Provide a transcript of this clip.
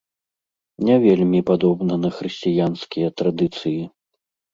Не вельмі падобна на хрысціянскія традыцыі.